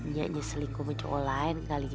nya nyaselin gue cowok lain kali ya